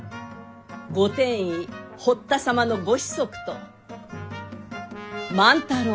御殿医堀田様の御子息と万太郎が。